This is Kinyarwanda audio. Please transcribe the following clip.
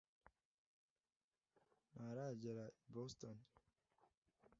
ntaragera i Boston.